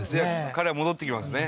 彼は戻ってきますね